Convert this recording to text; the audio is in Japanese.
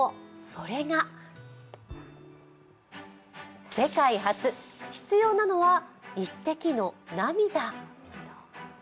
それが世界初、必要なのは１滴の涙。